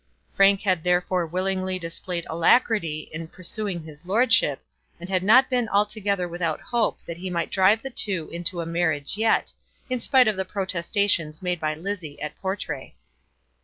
Frank had therefore willingly displayed alacrity in persecuting his lordship, and had not been altogether without hope that he might drive the two into a marriage yet, in spite of the protestations made by Lizzie at Portray.